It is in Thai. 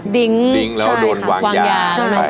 ดิงเราโดนวางยา